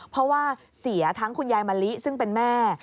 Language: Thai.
เพราะว่าเสียทั้งคุณยายมะลิซึ่งเป็นแม่